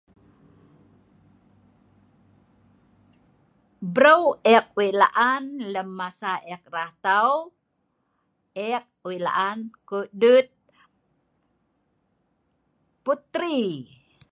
Breu' ek wei' laan lem masa ek rah tau, ek wei' la'an kedut putri.